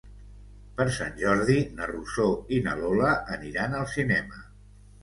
Per Sant Jordi na Rosó i na Lola aniran al cinema.